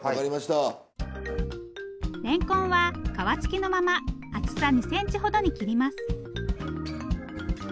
れんこんは皮つきのまま厚さ２センチほどに切ります。